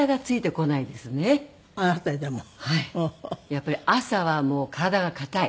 やっぱり朝は体が硬い。